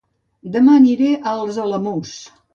Dema aniré a Els Alamús